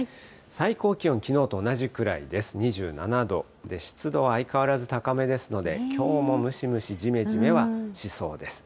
最高気温、きのうと同じくらいです、２７度、湿度は相変わらず高めですので、きょうもムシムシじめじめはしそうです。